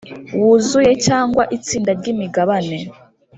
wuzuye cyangwa itsinda ry imigabane